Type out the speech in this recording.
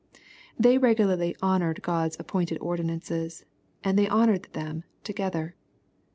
They regularly honored God's appointed ordinances, and they honored them together.